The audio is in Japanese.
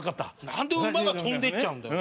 何で馬が跳んでいっちゃうんだよ。